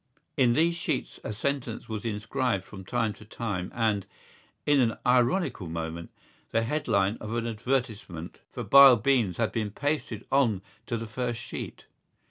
In these sheets a sentence was inscribed from time to time and, in an ironical moment, the headline of an advertisement for Bile Beans had been pasted on to the first sheet.